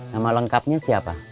nama lengkapnya siapa